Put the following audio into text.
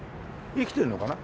生きてるのかな？